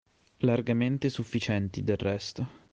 Largamente sufficienti del resto.